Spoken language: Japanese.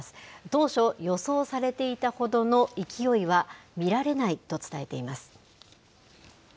当初、予想されていたほどの勢いは見られないと伝えています。